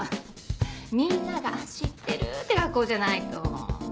みんなが「あっ知ってる」って学校じゃないと。